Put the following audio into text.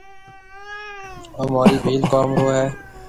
او مهورِي ڀيل قوم رو هيَ۔